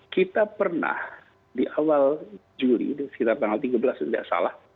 kita pernah di awal juli sekitar tanggal tiga belas kalau tidak salah